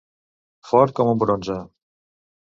Fort com un bronze.